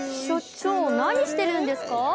所長何してるんですか？